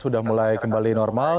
sudah mulai kembali normal